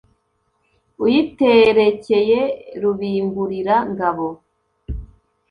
uyiterekeye rubimburira-ngabo